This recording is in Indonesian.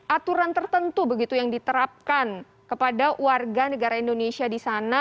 aturan tertentu begitu yang diterapkan kepada warga negara indonesia di sana